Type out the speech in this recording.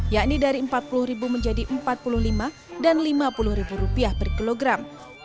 yakni dari rp empat puluh menjadi rp empat puluh lima dan rp lima puluh per kilogram